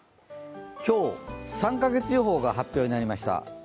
今日、３か月予報が発表になりました。